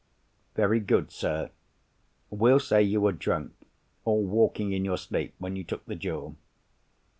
"Very good, sir. We'll say you were drunk, or walking in your sleep, when you took the jewel.